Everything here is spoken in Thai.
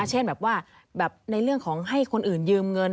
เช่นแบบว่าในเรื่องของให้คนอื่นยืมเงิน